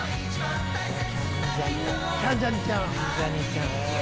キャンジャニちゃん。